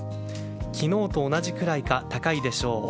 昨日と同じくらいか高いでしょう。